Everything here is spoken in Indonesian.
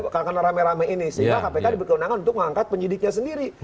karena rame rame ini sehingga kpk diberi keundangan untuk mengangkat penyidiknya sendiri